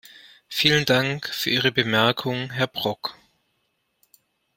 Vielen Dank für Ihre Bemerkung, Herr Brok.